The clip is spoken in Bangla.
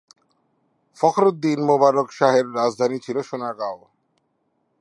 ফখরুদ্দিন মোবারক শাহের রাজধানী ছিল সোনারগাঁও।